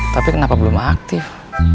tapi kenapa belum aktif